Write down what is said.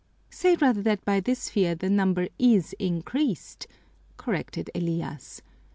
"Say rather that by this fear the number is increased," corrected Elias.